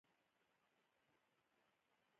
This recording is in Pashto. ښه عزت یې وکړ.